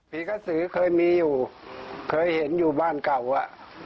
กระสือเคยมีอยู่เคยเห็นอยู่บ้านเก่าอ่ะ